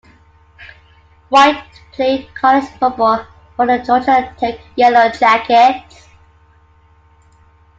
White played college football for the Georgia Tech Yellow Jackets.